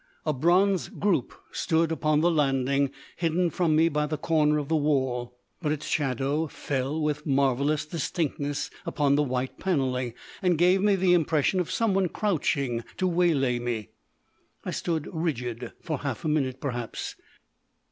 A bronze group stood upon the landing, hidden from me by the corner of the wall, but its shadow fell with marvellous distinctness upon the white panelling, and gave me the impression of someone crouching to waylay me. I stood rigid for half a minute perhaps.